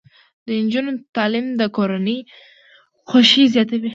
د نجونو تعلیم د کورنۍ خوښۍ زیاتوي.